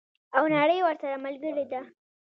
او نړۍ ورسره ملګرې ده.